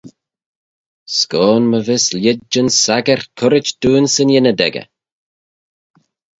S'goan my vees lhied yn saggyrt currit dooin 'syn ynnyd echey.